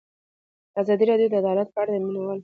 ازادي راډیو د عدالت په اړه د مینه والو لیکونه لوستي.